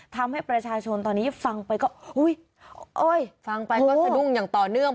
ทำให้ประชาชนตอนนี้ฟังไปก็อุ้ยฟังไปก็สะดุ้งอย่างต่อเนื่อง